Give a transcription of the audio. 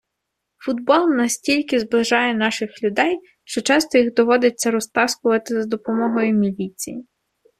Футбол настільки зближає наших людей, що часто їх доводиться розтаскувати за допомогою міліції